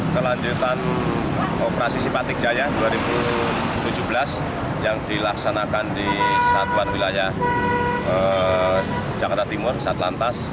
kelanjutan operasi simpatik jaya dua ribu tujuh belas yang dilaksanakan di satuan wilayah jakarta timur satlantas